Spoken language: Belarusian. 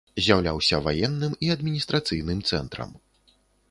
З'яўляўся ваенным і адміністрацыйным цэнтрам.